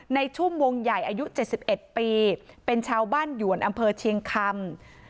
ในชุมวงใหญ่อายุเจ็ดสิบเอ็ดปีเป็นชาวบ้านหยวนอำเภอเชียงคำ